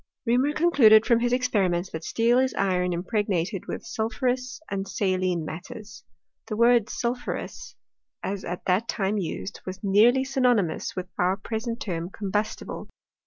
Reaumur concluded from his ex periments, that steel is iron impregnated with sul ' phureotis and saline matters. The word sulphureous, ' as at that time used, was nearly synonymous with our jiresent term combustible.